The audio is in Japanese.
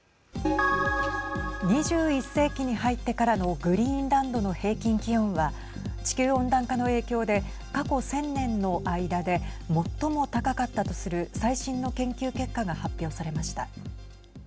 ２１世紀に入ってからのグリーンランドの平均気温は地球温暖化の影響で過去１０００年の間で最も高かったとする最新の研究結果が発表されました。